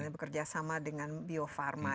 bekerja sama dengan bio farma